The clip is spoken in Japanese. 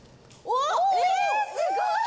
おっ、すごい。